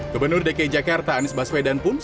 gubernur dki jakarta anies baswedan pun segera membentuk